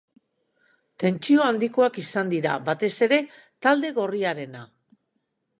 Tentsio handikoak izango dira, batez ere talde gorriarena.